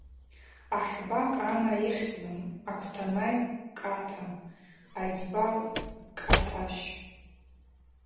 Ахӏба Кӏана йыхьзын, аквтанай – Кӏатӏа, айцӏба – Кӏатӏащ.